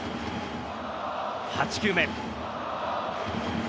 ８球目。